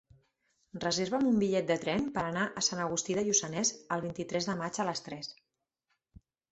Reserva'm un bitllet de tren per anar a Sant Agustí de Lluçanès el vint-i-tres de maig a les tres.